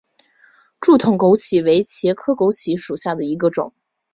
柱筒枸杞为茄科枸杞属下的一个种。